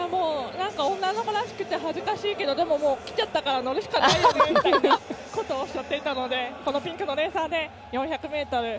女の子らしくて恥ずかしいけどでも、来ちゃったから乗るしかないよねとおっしゃっていたのでこのピンクのレーサーで４００ｍ。